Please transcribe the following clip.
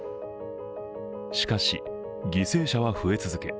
しかし、犠牲者は増え続け